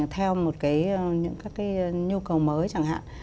theo một những các cái nhu cầu mới chẳng hạn